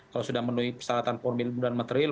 kalau sudah memenuhi persyaratan formil dan materil